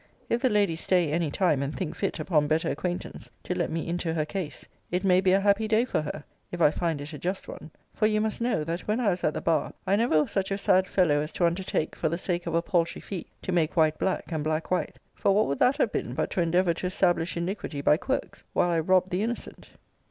If the lady stay any time, and think fit, upon better acquaintance, to let me into her case, it may be a happy day for her, if I find it a just one; for, you must know, that when I was at the bar, I never was such a sad fellow as to undertake, for the sake of a paltry fee, to make white black, and black white: For what would that have been, but to endeavour to establish iniquity by quirks, while I robbed the innocent?